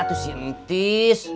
tuh si intis